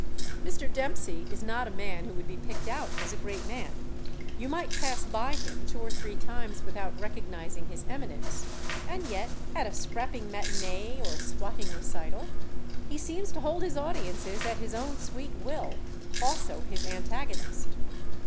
Mr. Dempsey is not a man who would be picked out as a great man. You might pass by him two or three times without recognizing his eminence, and yet, at a scrapping matinee or swatting recital, he seems to hold his audiences at his own sweet will also his antagonist.